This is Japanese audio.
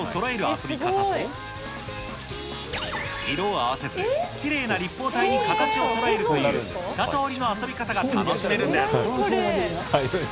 遊び方と、色を合わせず、きれいな立方体に形をそろえるという２通りの遊び方が楽しめるんです。